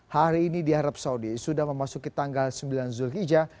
hari ini di arab saudi sudah memasuki tanggal sembilan zulhijjah